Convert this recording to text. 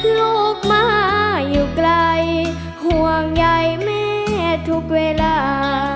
ลูกมาอยู่ไกลห่วงใยแม่ทุกเวลา